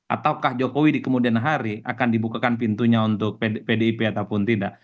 ataukah jokowi di kemudian hari akan dibukakan pintunya untuk pdip ataupun tidak